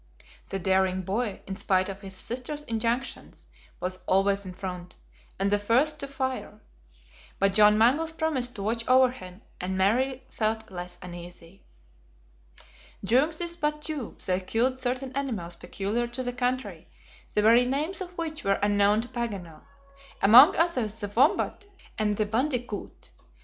The daring boy, in spite of his sister's injunctions, was always in front, and the first to fire. But John Mangles promised to watch over him, and Mary felt less uneasy. During this BATTUE they killed certain animals peculiar to the country, the very names of which were unknown to Paganel; among others the "wombat" and the "bandicoot."